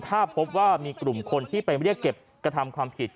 ถ้าพบว่ามีกลุ่มคนที่ไปเรียกเก็บกระทำความผิด